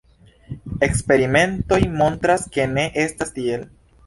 Eksperimentoj montras ke ne estas tiel.